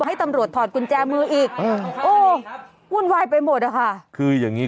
ให้ตำรวจถอดกุญแจมืออีกโอ้วุ่นวายไปหมดอะค่ะคืออย่างงี้